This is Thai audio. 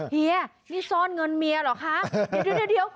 เฮียนี่ซ่อนเงินเมียเหรอคะเดี๋ยว